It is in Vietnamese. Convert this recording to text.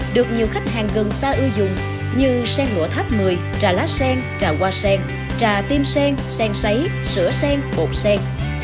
được nhiều khách hàng gần xa ưu dụng như sen ngũa tháp mười trà lá sen trà hoa sen trà tim sen sen sấy sữa sen bột sen